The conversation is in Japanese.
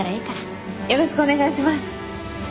よろしくお願いします。